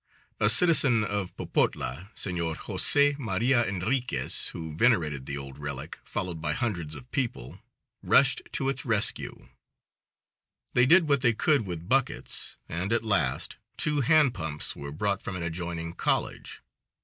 A citizen of Popotla, Senor Jose Maria Enriquez, who venerated the old relic, followed by hundreds of people, rushed to its rescue. They did what they could with buckets, and at last two hand pumps were brought from an adjoining college.